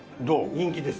人気です。